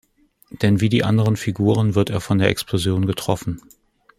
Denn wie die anderen Figuren wird er von der Explosion getroffen.